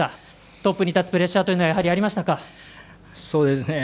トップに立つプレッシャーというのはありましたか？